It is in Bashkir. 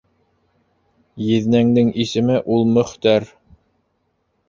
Еҙнәңдең исеме ул Мөхтәр.